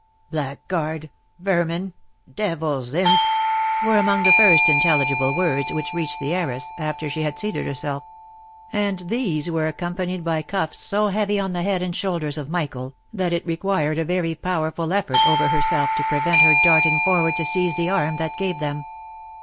" Blackguard !— Vermin !— Devil's imp !"— were among the first intelligible words which reached the heiress, after she had seated her self; and these were accompanied by cuffs so heavy on the head and shoulders of Michael, that it required a very powerful effort over her self to prevent her darting forward to seize the arm that gave them.